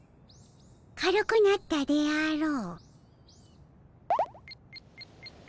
軽くなったであろう。